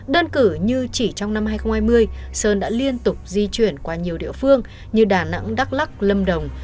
đơn cử như chỉ trong năm hai nghìn hai mươi sơn đã liên tục di chuyển qua nhiều địa phương như đà nẵng đắk lắc lâm đồng